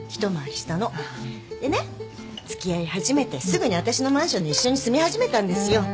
でね付き合い始めてすぐに私のマンションに一緒に住み始めたんですよ。